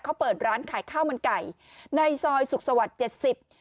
เขาเปิดร้านขายข้าวมันไก่ในซอยสุขสวรรค์เจ็ดสิบ